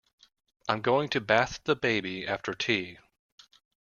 I'm going to bath the baby after tea